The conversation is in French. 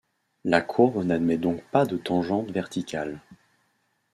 La courbe n'admet donc pas de tangente verticale.